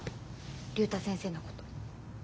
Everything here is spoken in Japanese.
竜太先生のこと。